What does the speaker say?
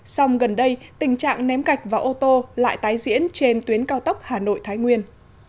song gần đây tình trạng ném gạch vào ô tô lại tái diễn trên tuyến cao tốc hà nội thái nguyên